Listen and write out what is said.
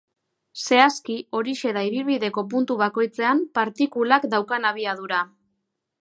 Zehazki, horixe da ibilbideko puntu bakoitzean partikulak daukan abiadura.